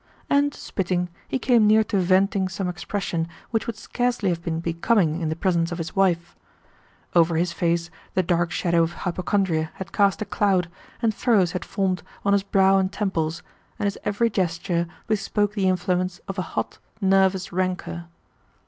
And, spitting, he came near to venting some expression which would scarcely have been becoming in the presence of his wife. Over his face the dark shadow of hypochondria had cast a cloud, and furrows had formed on his brow and temples, and his every gesture bespoke the influence of a hot, nervous rancour.